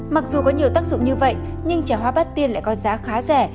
mặc dù có nhiều tác dụng như vậy nhưng trà hoa bát tiên lại có giá khá rẻ